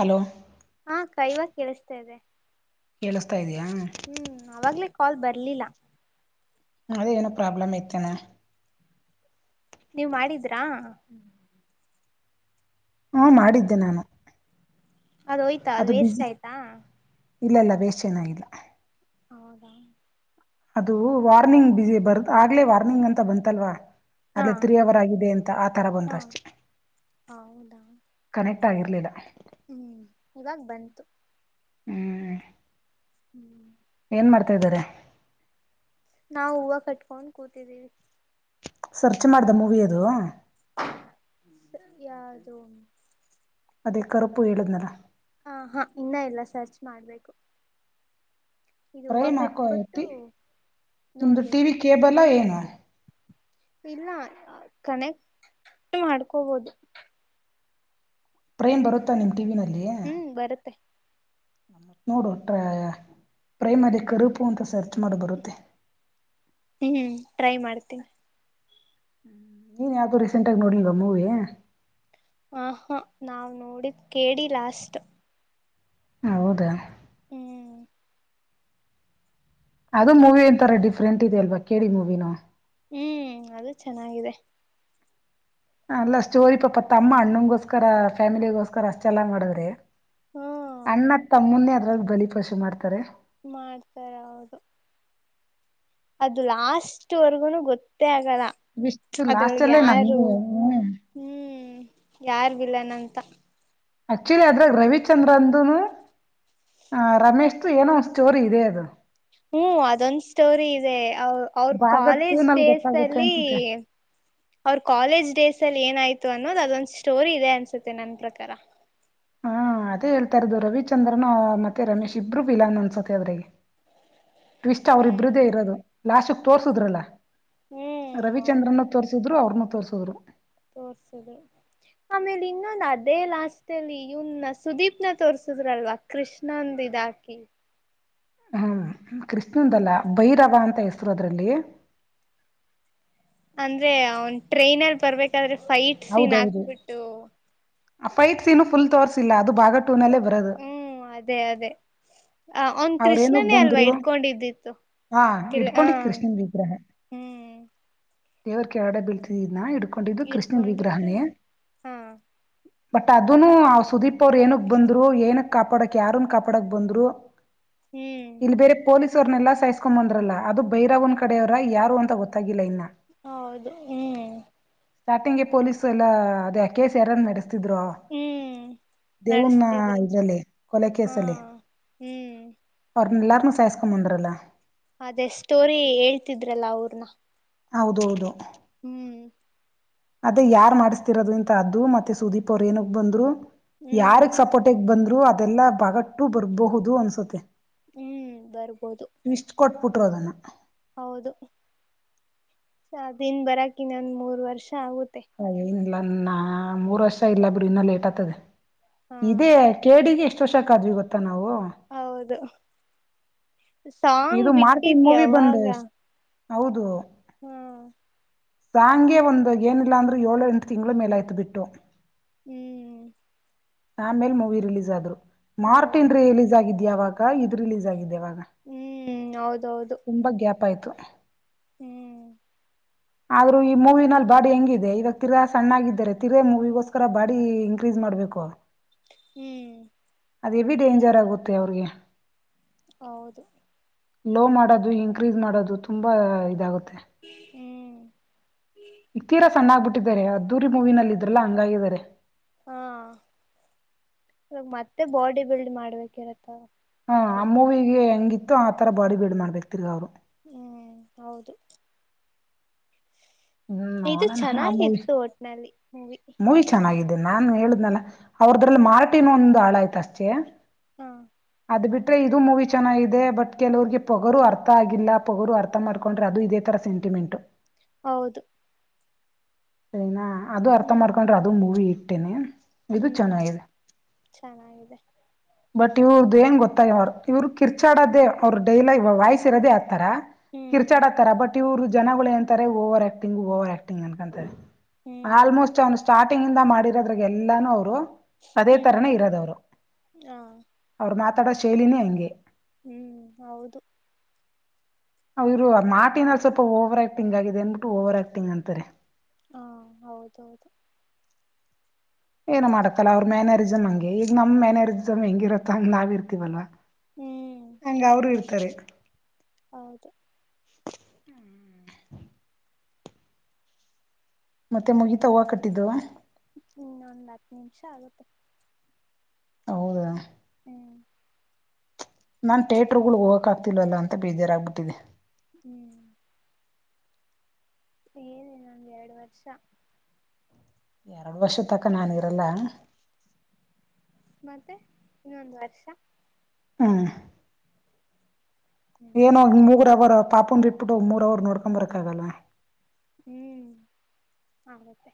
Hello ಹಾ ಅಕ್ಕಾ ಇವಾಗ್ ಕೇಳಸ್ತಾ ಇದೆ ಕೆಳಸ್ತಾ ಇದೆ ಹ್ಮ್ ಅವಾಗ್ಲೇ ಕಾಲ್ ಬರ್ ಇಲಿಲ್ಲಾ ಅದೆ ಏನೋ ಪ್ರಾಬ್ಲಮ್ ಇತ್ತೇನೋ ನೀವ್ ಮಾಡಿದ್ರಾ ಹಾ ಮಾಡಿದ್ದೆ ನಾನು ಅದೋಯ್ತಾ ಅದ ಅದು ವೇಸ್ಟ್ ಬಿಸಿ ಆಯ್ತಾ ಇಲ್ಲ ಇಲ್ಲ ವೇಸ್ಟ್ ಏನಾಗಿಲ್ಲ ಹೌದಾ ಅದು ವಾರ್ನಿಂಗ್ ಬಿಜಿ ಬರ್ ಆಗ್ಲೇ ವಾರ್ನಿಂಗ್ ಅಂತಾ ಬಂತಲ್ವಾ ಹಾ ಅದೆ ತ್ರೀ ಅವರ್ ಆಗಿದೆ ಅಂತ ಆತರಾ ಬಂತ ಹಾ ಅಷ್ಟೆ ಹೌದಾ ಕನೆಕ್ಟ್ ತಗಿರ್ಲಿಲ್ಲ ಹ್ಮ್ ಇವಾಗ್ ಬಂತು ಹ್ಮ್ ಹ್ಮ್ ಏನ್ ಮಾಡ್ತಾ ಇದಿರಿ ನಾವ್ ಹೂವಾ ಕಟ್ಕೊಂಡು ಕೂತಿದ್ದೀವಿ ಸರ್ಚ್ ಮಾಡ್ದ ಮೂವಿ ಅದು ಯಾದೋ ಅದೇ ಕರುಪು ಹೇಳಿದ್ನಲ್ಲಾ ಹಾ ಹಾ ಇನ್ನಾ ಇಲ್ಲ ಸರ್ಚ್ ಮಾಡ್ಬೇಕು ಇದು ಹೂವು ಫ್ರೈಮ್ ಹಾಕೋ ಕಟ್ಬಿಟ್ಟು ಎತ್ತಿ ನಿಮ್ದು ನೋಡ್ಬೇಕು ಟಿವಿ ಕೇಬಲ್ಲಾ ಏನು ಇಲ್ಲಾ ಕನೆಕ್ಟ್ ಮಾಡ್ಕೋಬೋದು ಪ್ರೈಮ್ ಬರುತ್ತಾ ನಿಮ್ ಟಿವಿನಲ್ಲಿ ಹ್ಮ್ ಬರುತ್ತೆ ನೋಡು ಟ್ರ ಪ್ರೈಮ್ ಅಲ್ಲಿ ಕರೂಪು ಅಂತಾ ಸರ್ಚ್ ಮಾಡ್ ಬರುತ್ತೆ ಹ್ಮ್ ಟ್ರೈ ಮಾಡ್ತೀನಿ ನೀನ್ ಯಾವ್ದು ರೀಸೆಂಟ್ ಆಗಿ ನೋಡಿಲ್ವಾ ಮೂವಿ ಆ ಹ ನಾವ್ ನೋಡಿದ್ ಕೇಡಿ ಲಾಸ್ಟ್ ಹೌದಾ ಹ್ಮ್ ಅದು ಮೂವಿ ಒಂತರ ಡಿಫ್ರೆಂಟ್ ಇದೆ ಅಲ್ವಾ ಕೇಡಿ ಮೂವಿನು ಹ್ಮ್ ಅದು ಚೆನ್ನಾಗಿದೆ ಅಲ್ಲಾ ಸ್ಟೋರಿ ಪಾಪ ತಮ್ಮ ಅಣ್ಣಂಗೋಸ್ಕರ ಫ್ಯಾಮಿಲಿಗೋಸ್ಕರ ಅಷ್ಟೆಲ್ಲಾ ಮಾಡದ್ರೆ ಹ್ಮ್ ಅಣ್ಣಾ ತಮ್ಮನ್ನೇ ಆದ್ ಇಗ ಬಲಿ ಪಾಷೆ ಮಾಡ್ತಾರೆ ಮಾಡ್ತಾರ ಹೌದು ಅದು ಲಾಸ್ಟ್ ವರೆಗೂನು ಗೊತ್ತೇ ಆಗ್ ಲ ಇಷ್ಟು ಲಾಸ್ಟ್ ಅದ್ರೊಳಗೆ ಅಲ್ಲೇ ಯಾರು ನನ್ಗೂ ಹ್ಮ್ ಯಾರ್ಗಿಲ್ಲನಂತ ಆಕ್ಚುಲಿ ಅದ್ರಾಗ ರವಿಚಂದ್ರನ್ಂದುನು ಆ ರಮೇಶ್್ದ ಏನೋ ಒಂದ ಸ್ಟೋರಿ ಇದೆ ಅದು ಹ್ಮ್ ಅದೊಂದ್ ಸ್ಟೋರಿ ಇದೆ ಅವ್ರ ಭಾಗ ಟೂ ಕಾಲೇಜ್ ನಲ್ಲಿ ಡೇಸ್ ಗೊತ್ತಾಗುತ್ತೆ ಅಲ್ಲಿ ಅನ್ಸುತ್ತೆ ಅವ್ರ ಕಾಲೇಜ್ ಡೇಸ್ ಅಲ್ಲಿ ಏನಾಯತು ಇತ್ತು ಅನ್ನೋದು ಅದೊಂದು್ ಸ್ಟೋರಿ ಇದೆ ಅನ್ಸುತ್ತೆ ನನ್ನ ಪ್ರಕಾರ ಹಾ ಅದೇ ಹೇಳ್ತಾ ಇರೋದು ರವಿಚಂದ್ರನ್ ಮತ್ತೆ ರಮೇಶ್ ಇಬರು ವಿಲಾನ್ ಅನ್ಸತ್ತ ಅದ್ರಿಗೆ ಟ್ವಿಸ್ಟ್ ಹ್ಮ್ ಅವ್ರ ಇಬ್ರ್ದೇ ಇರೋದು ಲಾಶಕ್ ತೋರ್ಸುದ್ರಲ್ಲ. ಹ್ಮ್ ಹೌದು ರವಿಚಂದ್ರನ್ನು ತೋರ್ರಿಸಿದ್ರು ಅವ್ರನು. ತೋರ್ಸುದ್ರು. ತೋರ್ಸುದು ಆಮೇಲೆ ಇನ್ನೊಂದು ಅದೇ ಲಾಸ್ತಲಿ ಇವನ್ನ ಸುದೀಪ್ನ ತೋರ್ಸುದ್ರಲ್ವಾ ಕೃಷ್ಣಂದ ಇದ ಹಾಕಿ. ಹ್ಮ್ ಕ್ರಿಸ್್ಣಂದಲ್ಲ ಭೈರವ ಅಂತ ಹೆಸ್ರು ಅದ್ರಲ್ಲಿ. ಅಂದ್ರೆ ಅವನ್ ಟ್ರೈನ್ ಅಲ್ಲಿ ಬರ್ಬೇಕಾದ್ರೆ. ಫೈಟ್ಸನ್ ಹೌದೌದು ಹಾಕ್ಬಿಟ್ಟು. ಆ ಫೈಟ್ ಸೀನು ಫುಲ್ ತೋರ್ರಿಸಿಲ್ಲ ಅದು ಭಾಗ ಟೂನಲ್ಲೇ ಬರದು. ಆ ಒಂದ್ ಕೃಷ್ಣನೇ ಅಲ್ವಾ ಇಡ್ಕೊಂಡಿದ್ದಿತ್ತು ಹಾ ಕೆಲ ಹ ಇಡ್ಕೊಂಡಿದ್ ಕೃಷ್ಣನ್ ವಿಗ್ರಹ ಹ್ಮ್. ದೇವ್ರ ಕ ಆಡ ಬೀಳ್ತಿದೀಾ ಹ. ಕೊಂಡಿದ್ದು ಕೃಷ್ಣನ್ ಇಡ್ಕೊಂಡಿತ್ತು ವಿಗ್ರಹನೇ. ಹಾ ಬಟ್ ಅದನು ಸುದೀಪ್ ಅವ್ರ ಏನಕ್ ಬಂದ್ರು ಏನಕ್ ಕಾಪಾಡಕ್ ಯಾರನ್ ಕಾಪಾಡಕ್ ಬಂದ್ರು. ಹ್ಮ್ ಇಲ್ಲಿ ಬೇರೆ ಪೊಲೀಸ್. ವ್ರನ್ನನೆಲ್ಲಾ ಸಾಯ್ಕೊಂಡ್ ಬಂದ್ರಲ್ಲ ಅದು ಬೈರವ ಒಂದ್ ಕಡೆವ್ರರ ಯಾರು ಅಂತ ಗೊತ್ತಾಗಿಲ್ಲ ಇನ್ನ. ಹೌದು ಹ್ಮ್. ಸ್ಟಾರ್ಟಿಂಗ್ಗೆ ಪೊಲೀಸ್ ಎಲ್ಲ ಅದ ಕೇಸ್ ಯಾರದ್ ಮೇ. ಿದ್ರು ಹ್ಮ್ ದೇವನ್ನ ನಡೆಸ್ತಿದ್ರು ಇದ್ರಲ್ಲಿ ಕೊಲೆ ಹಾ ಕೇಸಲ್ಲಿ. ಹ್ಮ್ ಎಲ್ಲಾರು ಸೇಷಕೊಂಡ ಬಂದರಲ್ಲ ಅದೇ ಸ್ಟೋರಿ ಹೇಳ್ತಿದ್ರಲ್ಲ ಅವ್ರನ. ಹೌದೌದು. ಹ್ಮ್. ಅದೇ ಯಾರ್ ಮಾಡಿಸ್ತಿರೋದು ಎಂತ ಅದ್ದು ಮತ್ತೆ ಸುದೀಪ್ ಅವರು ಏನಾಗ ಬಂದ್ರು. ಹ್ಮ್ ಯಾರಿಗೆ ಸಪೋರ್ಟಗ್ ಬಂದ. ಅದೆಲ್ಲಾ ಬಾಗಟ್ಟು ಬರ್ಬಹುದು ಅನ್ಸುತ್ತೆ. ಹ್ಮ್ ಬರ್ಬೋದು. ಕುಟ್ಟರೋದನ್ನು. ಹೌದು ದನ್ ಬರಕ ಇನ್ನೊಂದ್ ಮೂರ್ ವರ್ಷ ಆಗುತ್ತ. ಹಾಗ. ಇಲ್ಲ ನಾ ಮೂರ್ ವರ್ಷ ಇಲ್ಲ ಬಿಡು ಇನ್ನ ಲೇಟ್ ಆಗ್ತದೆ. ಹಾ ಇದೆ ಕೇಡಿಗೆ. ಶೋಷಕ ಆ್ ಗೊತ್ತ. ಹೌದು. ಸಾಂಗ್ ಇದು ಬಿಟ್ಟಿದ ಮಾರ್ಟಿನ್ ಮೂವಿ ಬಂದು ಯಾವಾಗ. ಹೌದು. ಹ್ಮ್. ಸಾಂಗೆ ಒಂದು ಏನಿಲ್ಲಾ ಅಂದ್ರೂ ಏಳು ಎಂಟು ತಿಂಗಳು ಮೇಲಾಯ್ತು ಬಿಟ್ಟು ಹ್ಮ್ ಆಮೇಲೆ ಮೂವಿ ರಿಲೀಸ್ ಆದ್ರು ಹೌದು ಮಾರ್ಟಿನ್ ರಿಲೀಸ್ ಆಗಿದ್ದ ಯಾವಾಗ ಇದು ರಿಲೀಸ್ ಆಗಿದೆ ಯಾವಾಗ ಹ್ಮ್ ಹೌದೌದು ತಪ್ಪಾಯ್ತು ಹ್ಮ್ ಆದ್ರೂ ಈ ಮೂವಿನಲ್ಲಿ ಬಾಡಿ ಹೆಂಗಿದೆ ಇವಾಗ ತಿರಾ ಸಣ್ಣಗಿದ್ದಾರೆ ತಿರಗಾ ಮೂವಿಗೋಸ್ಕರ ಬಾಡಿ ಇನ್ಕ್ರೀಸ್ ಮಾಡ್ಬೇಕು. ಹ್ಮ್ ಅದೇ ಹೆವಿ ಡೇಂಜರ್ ಆಗುತ್ತೆ ಅವ್ರಿಗೆ ಹೌದು ಲೋ ಮಾಡೋದು ಇನ್ಕ್ರೀಸ್ ಮಾಡೋದು ತುಂಬಾ ಇದಾಗುತ್ತೆ. ಹ್ಮ್ ಈ ತೀರಾ ಸಣ್ಣ ಆಗ್ಬಿಟ್ ಟ್ಟಿದ್ದಾರೆ ಅದ್ದೂರಿ ಮೂವಿನಲ್ಲಿ ಇದ್ರಲ್ಲ ಹಂಗಾಗಿದ್ದಾರೆ ಹಾ ಇವಾಗ ಮತ್ತೆ ಬಾಡಿ ಬಿಲ್ಡ್ ಮಾಡ್ಬೇಕಿರತ್ತ ಹಾ ಆ ಫಿಲಂ ಮೂವಿಗೆ ಹೆಂಗಿತ್ತು ಆ ತರ ಬಾಡಿ ಬಿಲ್ಡ್ ಮಾಡಿ ಬಿಡ್ತ್ ದ ಅವರು ಹ್ಮ್ ಹೌದು ಹ್ಮ್ ಇದು ನೋಡೋಣ ಆ ಮೂವಿ ಚೆನ್ನಾಗಿತ್ತು ಒಟ್ಟಿನಲ್ಲಿ ಮೂವಿ ನಾನು ಹೇಳುದ್ನ ಅವ್ರದ್ರಲ್ಲಿ ಮಾರಟಿನ ಒಂದು ಹಾಳ ಆಯ್ತು ಅಷ್ಟೇ ಹಾ ಅದು ಬಿಟ್ರೆ ಇದು ಮೂವಿ ಚೆನ್ನಾಗಿದೆ ಬಟ್ ಕೆಲವರಿಗೆ ಪೊಗರು ಅರ್ಥ ಆಗಿಲ್ಲ ಪೊಗರು ಅರ್ಥ ಮಾಡ್ಕೊಂಡ್ರೆ ಅದು ಇದೇ ತರ ಸೆಂಟಿಮೆಂಟ್. ಹೌದು [unintelligible] ಅದು ಅರ್ಥ ಹ್ಮ್ ಮಾಡ್ಕೊಂಡ್ರೆ ಅದು ಮೂವಿ ಇ [unintelligible] ಹ್ಮ್ ಚೆನ್ನಾಗಿದೆ ಬಟ್ ಇವ್ರದು ಏನ್ ಗೊತ್ತಾಯ ಇವರು ಕಿರ್ಚಾಡೋದೇ ಅವರು ಡೈಲಾಗ್ ವಾಯ್ಸ್ ಇರೋದೇ ತರ ಹ್ಮ್ ಕಿರ್ಚಾಡ ತರ ಬಟ್, ಇರು ಜನಗಳಂತಾರೆ over act thing over acting ಅನ್ಕೋತಾರೆ ಹ್ಮ್ ಆಲ್ಮೋಸ್ಟ್ ಅವನು ಸ್ಟಾರ್ಟ್ ಕಟಿಂಗ್ ಇಂದ ಮಾಡಿರೋದ್ರಾಗ ಎಲ್ಲಾನು ಅವರು ಅದೇ ಹ್ಮ್ ತರನೇ ಇರೋದವರು ಹಾ ಅವರು ಮಾತ್ರ ತಡ ಶೈಲಿನಿ ಹಂಗೆ ಹ್ಮ್ ಹೌದು ಅವರು ಮಾತಿನಲ್ಲಿ ಸ್ವಲ್ಪ ಓವರ್ ಆಕ್ಟಿಂಗ್ ಆಗಿದೆ ಏನ್ ಓವರ್ ಆಕ್ಟಿಂಗ್ ಅಂತಾರೆ ಹಾ ಹೌದೌದು ಏನು ಮಾಡತ್ತಲ್ಲ ಅವ್ರ ಮ್ಯಾನಾರರಿಸಮ್ ಹಂಗೆ ಈಗ ನಮ್ ಮ್ಯನಾರರಿಸಮ್ ಹೆಂಗಿರತ್ತ ಹಂಗ್ ನಾವ್ ಇರ್ತಿವಲ್ವಾ. ಹ್ಮ್ ಹಂಗ ಅವರು ತ್ತರಿ ಹೌದು ಮತ್ತೆ ಮುಗೀಿತ ಹವ ಕಟ್ಟಿದ್ದುವ ಇನ್ನೊಂದ್ ಹತ್ತು ನಿಮಿಷ ಆಗತ್ತೆ ಹೌದಾ ನಾನ್ ಥಿಯೇಟ್ರರ್ಗಳ್ಗ್ ಹೋಗಕಕ್ ಆಗ್ತಿಲ್ವಲ್ಲ ಅಂತ ಬೇಜಾರಾಗಗ್ಬಿಟ್ಟಿದೆ ಹ್ಮ್ ಏನ ನನ್ಗೆ ಎರಡು ವರ್ಷ ಎರಡು ವರ್ಷ ತಕ ನಾನನ್ ಇರಲ್ಲ ಮತ್ತೆ ಇನ್ನೊಂದು ವರ್ಷ ಹಾ ಹ್ಮ್ ಏನ ಮೂಗರ ಬರ ಪಾಪಂದ ಬಿಟ್ಬಿಟ್ಟು ಮೂರ್ ಅವರು ನೋಡ್ಕೊ್ ಬರಕ್ ಆಗಲ್ಲ ಹ್ಮ್ ಆಗತ್ತೆ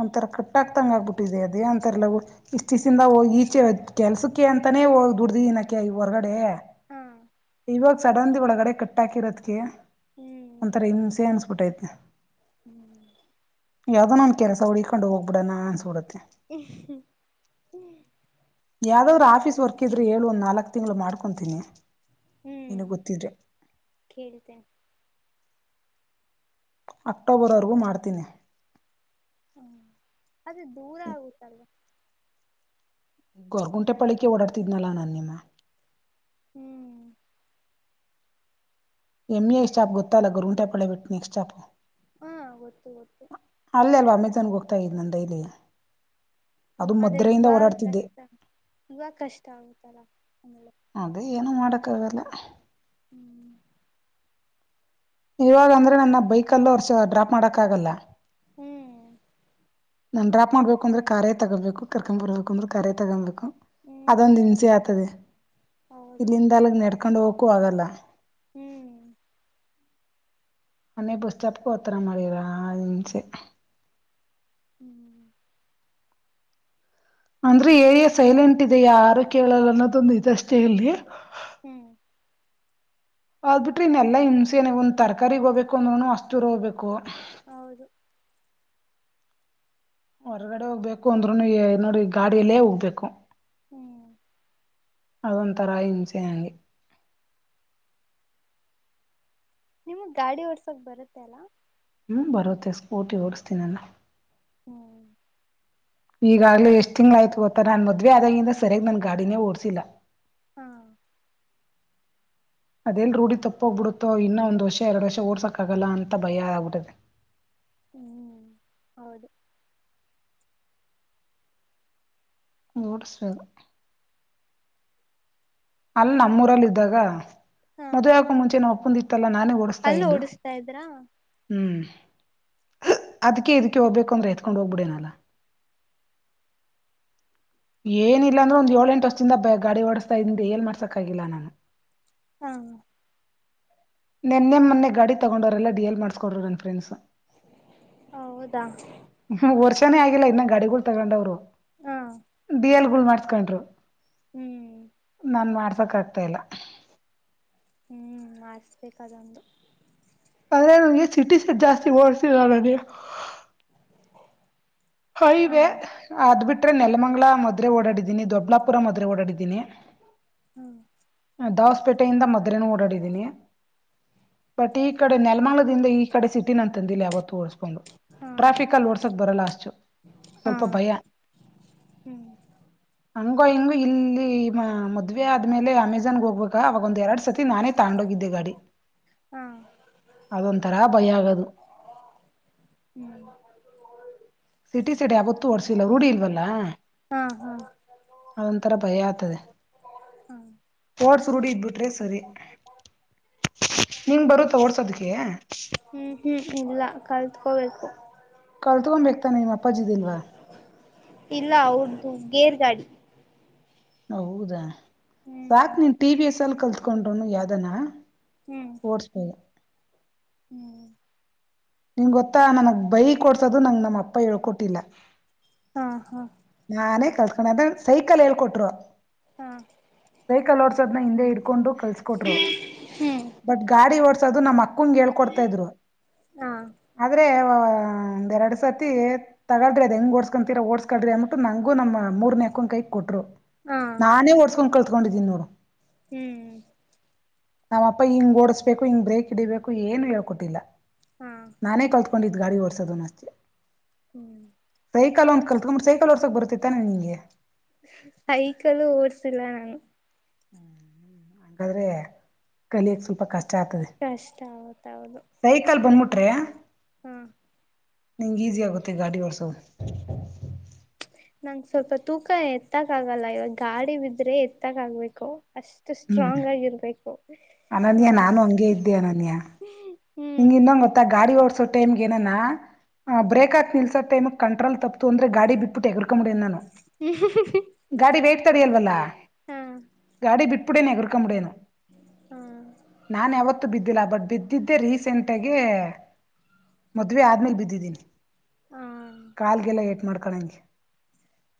ಒಂಥರ ಕಟ್ಟಕ್ತಂಗ ಆಗ್ಬಿಟ್ಟಿದೆ ಅದೇ ಅಂತರಲ್ಲಾ ಇಷ್ಟಿಂದ ಹೋಗಿ ಈಚೆ ಕೆಲ್ಸಕ್ಕೆ ಅಂತಾನೇ ಹೋಗ್ ದುಡ್ದು ಇಿನಕ ಈ ಹೊರಗಡೆ ಹ್ಮ ಇವಾಗ ಸಡನ್ದ ಒಳಗಡೆ ಕಟ್ಟಾಕಿರೋದಕ್ಕೆ ಹ್ಮ್ ಒಂಥರ ಇನ್ಸ ನ್ ಬಿಟ್ಟೈತೆ ಹ್ಮ್ ಯಾವ್ದೋ ನನ್ ಕೆಲಸ ಉಡಕೊಂಡು ಹೋಗ್ ಬಿಡಣ ಅನ್ಸಬಿಡತ್ತತಿ ಹ ಹ್ಮ ಯಾವ್ದಾದ್ರ್ ಆಫೀಸ್ ವರ್ಕ್ ಇದ್ರ ಹೇಳುವ ಒಂದ ನಾಲ್ಕಕ್ ತಿಂಗಳು ಮಾಡ್ಕೊತೀನಿ ಕೇಳ್ತ ಅಕ್ಟೋಬರ್ವರೆಗೂ ಮಾಡ್ತೀನಿ ಹ್ಮ ಅದೇ ದೂರ ಆಗುತ್ತಲ್ವಾ ಈಗ ಹೊರ್ಗುಂಟೆ ಪಳಿಕೆ ಓಡಾಡ್ತಿದ್ನಲ್ಲಾ ನಾ ನಿಮ್ಮ ಹ್ಮ್ ಎಂಇಐಸ್್ಟಾಪ್ ಗೊತ್ತ ಅಲ್ಲ ಗುರುಂಟ ಪಳ್ಳೇಿಟ್ಟುಿ ಎಕ್ಸ್ಟ್ ಶ್ಟಾಪ್ ಹಾ ಗೊತ್ತು ಗೊತ್ತು ಅಲ್ಲ ಅಲ್ವಾ ಅಮೆಜಾನ್ಗೆ ಹೋಗ್ತಾ ಇದ್ ನನ್ನ ೈಲಿ ಹ್ಮ್ ಅದೇ ಇವ ಕಷ್ಟ ಇವಾಗ ಕಷ್ಟ ಆಗುತ್ತಲ್ಲ ಆಮಲೆ ನಾನು ಮಾಡಕ್ಕ ಆಾಗಲ್ಲ ಇವಾಗ ಅಂದ್ರೆ ನನ್ನ ಬೈಕ್ಲ್ಲ ಹೊರ್ಷ ಡ್ರಾಪ್ ಮಾಡಕ್ ಆಗಲ್ಲ ಹ್ಮ್ ನಾನ್ ಡ್ರಾಪ್ ಮಾಡಬೇಕುಂದ್ರೆ ಖೇ ತಗೊೋಬೇಕು ಕರ್ಕೊ್ ಬರ್ಬೇಕು ಅಂದ್ರೆಖಾರೆೇ ತಗೊಬೇಕು ಹ್ಮ್ ಅದೊಂದು್ ಹಿಂಸೆ ಆಗ್ತದೆ ಹೌದು ಇಲ್ಲಿಂದ ಅಲಗ್ ನೆಡ್ತ ಕಕೊಂಡು ಹೋಗುವ ಆಗಲ್ಲ ಹ್ಮ್ ಅನ್ನೇ ಬುಸ್ ಚಪ್ಕೋತರ ಮರಿ ರಚೆ ಹ್ಮ್ ಅಂದ್ರೆ ಏರಿಯಾ ಸೈಲೆಂಟ್ ಇದೆ ಯಾರು ಕೇಳಲ್ಲ ಅನ್ನೋದೊಂದು ಇದ ಅಷ್ಟೇ ಅಲ್ಲಿ ಹ್ಮ್ ಆದ್ಬಿಟ್ರಿ ಇನ್ನೆಲ್ಲಾ ಹಿಂಸೆನೆ ಒಂದ್ ತರಕಾರಿಗ್ ಹೋಗ್ಬೇಕು ಅಂದ್ ಹಸ್ತೂರ್ ಹೋಗ್ಬೇಕು ಹೌದು ಹೊರ್ಗಡೆ ಹೋಗ್ಬೇಕು ಅಂದ್ರುನು ನೋಡಿ ಗಾಡಿಯಲ್ಲೇ ಹೋಗ್ಬೇಕು ಹ್ಮ್ ಅದೊಂಥರ ಹಿಂಸೆ ನಂಗೆ ನಿಮಗ್ ಗಾಡಿ ಹೊರ್ಸಕ್ ಬರುತ್ತೆ ಅಲ ಹ್ಮ್ ಬರುತ್ತೆ ಸ್ಕೂಟಿ ಓಡಿಸತೀನ ನಾನು ಈಗಾಗ್ಲೂ ಎಷ್ಟ್ ತಿಂಗ್ಳ ಆಯ್ತು ಗೊತ್ತಾ ನಾನ್ ಮದ್ವೆ ಆದದಾಗಿಂದ ಸರಿಯಾಗಿ ನನ್ ಗಾಡಿನೇ ಓಡ್ಸಿಲ್ಲಾ ಹ್ಮ ಅದೆೇಲ್ ರೂಢಿ ತಪ್ಪೋಗ್ಬಿಡುತ್ತೋ ಇನ್ನ ಒಂದ್ ವರ್ಷ ಎರಡು ವರ್ಷ ಓಡ್ಸೋಕ್ಾಗಲ್ಲ ಅಂತ ಭಯ ಆಗ್ಬಿಡಿದೆ ಹ್ಮ್ ಹೌದು ಗೋಡ ಶಲೇದು ಅಲ್ಲ ನಮ್ಮೂರಲ್ಲಿ ಇದ್ದಾಗ ಹಾ ಮದುವೆ ಆಗೋಕು ಮುಂಚೇನೆ ಒ ಲ್ಲ ನಾನೇ ಓಡಿಸ್ತಾ ಅಲ್ಲಿ ಇದ್ದು ಓಡಿಸ್ತಾ ಇದ್ರಾ ಹ್ಮ್ ಅದ್ಕ ಇದಕ್ಕೆ ಹೋಗ್ಬೇಕು ಅಂದ್ರೆ ಎತ್ಕೊಂಡ್ ಹೋಗ್ಬಿಡೇನಲ್ಲ ಏನಿಲ್ಲ ಅಂದ್ರೆ ಒಂದ್ ಏಳ ಎಂಟು ವರ್ಷದಿಂದ ಗಾಡಿ ಓಡಸ್ತಾ ಇದಿಂದ ಏನ್ ಮಾಡ್ಸಕ್ಾಗಿಲ್ಲ ನಾನು ಹಾ ನೆನ್ನೆ ಮೊನ್ನೆ ಗಾಡಿ ತಗೊಂಡೋವರೆಲ್ಲ ಡಿ ಎಲ್ ಮಾಡಸ್ಕೊ್ರರು ನನ್ ಫ್ರೆಂಡ್ಸ್ ಹೌದಾ ಚೆೇ ಆಗಿಲ್ಲ ಇನ್ನ ಗಾಡಿಗಳು ತಗೊಂಡವ್ರು ಹಾ ಬ ಎಲ್ ಮಾಡಸ್ಕೊಂಡ್ರು ಹ್ಮ್ ನಾನ್ ಮಾಡ್ಸಕ್ ಆಗ್ತಾ ಇಲ್ಲ ಹ್ಮ್ ಮಾಡಿಸ್ಬೇಕದೊಂದು ಅ್ರ ನಗೆ ಸಿಟಿ ಸೆಟ್ ಜಾಸ್ತಿ ಓಡ್ತಿದ ನನಗೆ ಹಾ ಅ್ರ ನೆಲಮಂಗ್ಾ ಮದೆ ಓಡಿದ್ದೀನಿ ದೊಡ್ಬಲಾಪುರ ಮದುವ ಓಡಿದ್ದೀನಿ ಹ್ಮ ದವಸ್ಪೇಟೆಯಿಂದ ಮೊದ್ೇನ ಓಡಾಡಿದೀನಿ ಬಟ್ ಈ ಕಡೆ ನೆಲ್ಮಂಗ್ಳದಿಂದ ಈ ಕಡೆ ಸಿಟಿಿನ ಅಂತಂದಿಲ್ಲ ಯಾವತ್ತುಓ ಹಾ ಟ್ರಾಫಕ್ಲ್ಲಿ ಓಡ್ಸೋದ ಬರಲ್ಲ ಅಷ್ಟು ಹಾ ಸ್ವಲ್ಪ ಭಯ ಹ್ಮ್ ಹಂಗೋ ಹಿಂಗ ಇಲ್ಲಿ ಮದ್ವೆ ಆದ್ಮೇಲೆ ಆಮೇಜ ಗೋಗ್ಗ ಅವಾಗ ಒಂದು ಎರಡು ಸತಿ ನಾನೇ ತೊಂಡೋಗಿದ್ದೆ ಗಾಡಿ ಹಾ ಅದೊಂಥರ ಭಯ ಆಗದು ಹ್ಮ್ ಸಿಟಿ ಸಿಡಿ ಆಾವತ್ತು ಓರ್ಸಿಲ್ಲ ರೂಢಿ ಇಲ್ವಲ್ಲ ಹಾ ಹಾ ಹಾ ಅದಂತರ ಭಯ ತ ಹ್ಮ್ ಓಡ್ಸ ರೂಢ ಇದಬಿಟ್ರೆ ಸರಿ ನೀಂಗ ಬರು ಓಡ್ಸೋದಕ್ಕೆ ತ್ಕೋಬೇಕು ಕಲ್ತು ಒಮ್ಮ ಬೇಕತ ನೀ ಮತ್ತ ಇಲ್ಲ ಅವದ್ದು ಗೇರ್ ಗಾಡಿ ಹೌದಾ ಹ್ಮ್ ಸಾಕ್ ನೀನ್ ಟಿ ವಿ ಎ ಸ್ಲ್ಪ ಕಲ್ತ್ಕೊಂಡ್ರುನು ಯಾವ್ದನ ಹ್ಮ್ ಓಡ್ಸ್ಪ ಹ್ಮ್ ನಿನ್ ಗೊತ್ತಾ ನನಗ್ ಬೈ ಕೊಡ್ಸೋದು ನಂ ನಮ್ಮ ಅಪ್ಪ ಹೇಳ್ಕೊಟ್ಟಿಲ್ಲ ಹಾ ಹಾ ಕಳ್ಸ್ಕೊಂಡ ಅದ್ರೆ ಸೈಕಲ್ ಹೇಳ್ಕೊಟ್ರು ಹಾ ಸೈಕಲ್ ಓಡ್ಸೋದನ ಹಿಂದೆ ಇಡ್ಕೊಂಡು ಕಲ್ಸಕೊಟ್ರು ಹ್ಮ್ ಬಟ್ ಗಾಡಿ ಓಡ್ಸೋದು ನಮ್ಮ್ ಅಕ್ಕಂಗ ಹೇಳ್ಕೊಡ್ತಾ ಇದ್ರು ಹಾ ಆದರೆ ಒಂದು ಎರಡು ಸರ್ತಿ ತಗಳ್ರಿ ಅದದು ಹೆಂಗೆ ಓಡ್ಸ್ಕೊಂತೀರ ಓಡ್ಸ್ಕಳ್ರಿ ಅನ್ಬಿಟ್ಟು ನಂಗೂ ನಮ್ಮ ಮೂರುನೇಕ್ಕನ್ ಕೈಗೆ ಕೊಟ್ರು ಹಾ ನಾನೇ ಓಡ್ಸ್ಕೊಂಡ್ ಕಳ್ತ ಇಕೊಂಡಿದ್ದೀನಿ ನೋಡು ಹ್ಮ್ ನಾವಪ್ಪ ಹಿಂಗ್ ಓಡ್ಸ್ಬೇಕು ಹಿಂಗ್ ಬ್ರೇಕ್ ಹಡಿಬೇಕು ಏನು ಹೇಳ್ಕೊಟ್ಟಿಲ್ಲ ಹಾ ನಾನೇ ಕಲ್ತ್ಕೊಂಡ ಇದ್ ಗಾಡಿ ಓಡಸೋದನು ಅಷ್ಟೆ ಹ್ಮ್ ಸೈಕಲ್ ಒಂದ ಕಲ್ತ್ಕೊಂಡಿೆ ಸೈಕಲ್ ಹೊರ್ಸಕ್ ಬರ್ತ್ತೈತ್ತಾನನೆ ನಿಂಗೆ ಸೈಕಲ್ಲು ಓಡ್ಸಿಲ್ಲ ನಾನು ಹ್ಮ್ ಹ್ಮ ಹಾಗಾದ್ರೆ ಕಲಿಯಕ್ ಸ್ವಲ್ಪ ಕಷ್ಟ ಹಾಕ್ದೆ ಕಷ್ಟ ಸೈಕಲ್ ಬಂದ ಮುಟ್ಟ ಅ ಹ್ಮ್ ನಿಂಗ್ಗೆ ಈಸಿ ಆಗುತ್ತೆ ಗಾಡಿ ರ್ಸೋದು ನಂ ಸ್ವಲ್ಪ ತೂಕ ಎತ್ತಕ್ ಆಗಲ್ಲ ಇವಾಗ ಗಾಡಿ ಬಿದ್ರೆ ಎತ್ತಕ್ ಆಗ್ಬೇಕು ಅಷ್ಟು ಹ್ಮ್ ಸ್ಟ್ರಾಂಗ್ ಆಗಿರ್ಬೇಕು ಅನನ್ಯ ನಾನು ಅಷ್ಟ ಹ್ಮ್ ನಿಂಗ್ ಇನ್ನೊ ಮೊತ್ತ ಗಾಡಿ ಓಡಸೋ ಟೈಮ ಏನ ಬ್ರೇಕಕ್ ಹಕ್ ನಿಲ್ಸೋ ಟೈಮ್ ಕಂಟ್ರೋಲ್ ತತು ಅಂದ್ರ ಗಡಿ ಬಿಬಟ್ಟ ಹೆಗ ಮುಡ ನಾನು ಗಾಡಿ ವೇಟ್ ತಡ ಅಲ್ವಲ್ಲ ಹಾ ಗಾಡಿ ಬಿಟ್ಟು ಅಡಡಿ ನಗೆಕ್ಕಕ ಮುೇನು ಹಾ ನಾನ ಯಾವತ್ತು ಬಿದ್ದ ಬಟ್ ಬಿದ್ದೆ ರೀಸ್ ಗಂಟೆಗೆ ಮದ್ವೆ ಆದ್ಮೇಲೆ ಬಿದ್ದಿದ್ದೀನಿ ಹಾ ಕಾಲ್ಗೆಲ್ಲ ಏಟ್ ಮಾಡ್ತ ಕಳಜ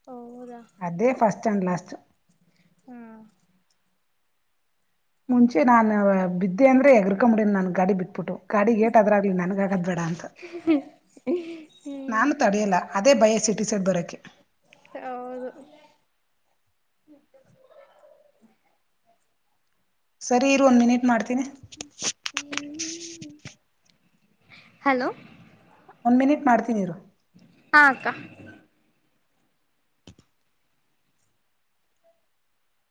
ಹೌದಾ ಅದೇಫಸ್ಟ್ ಫಸ್ಟ್ ಆಂಡ್ ಲಾಸ್ಟ್ ಹ್ಮ ಮುಂಚೆ ನಾನು ಬಿದ್ದೆ ಅಂದ್ರೆ ಎಗರ್ಕೊಂಬಡನ ನನ್ ಗಾಡಿ ಬಿಟ್ಬಿಟ್ಟು ಗಾಡಿ ಗೇಟ್ದ್ರ ಆಗ್ಲಿ ನನ್ಗಗದ್ ಬೇಡ ಅಂತ ಹ್ಮ್ ನಾನು ತಡಿಯಲ್ಲ ಅದೇ ಬಯಸಿಟ್ಟ ಟ ಸೆಟ್ ಬರೋಕ್ಕೆೆ ಅವರು ಸರಿ ಇರ್ ಒಂದ್ ಮಿನಿಟ್ ಮಾಡ್ತೀನಿ ಹಲೋ ಒಂದ್ ಮಿನಿಟ್ ಮಾಡ್ತೀನಿ ನೀರು ಹಾ ಅಕ್ಕ